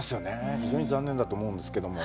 非常に残念だと思うんですけども。